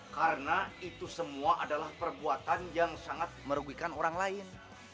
karena itu semua adalah perbuatan yang sangat merugikan orang lain